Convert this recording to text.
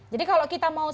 jadi kalau kita mau sering